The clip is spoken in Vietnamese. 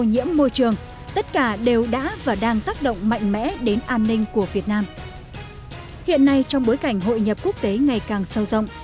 hiện nay trong bối cảnh hội nhập quốc tế ngày càng sâu rộng